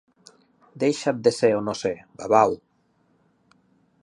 Deixa-t de ser o no ser, babau